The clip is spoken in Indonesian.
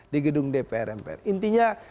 di gedung dpr mpr intinya